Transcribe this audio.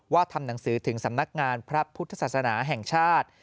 ทำหนังสือถึงสำนักงานพระพุทธศาสนาแห่งชาติ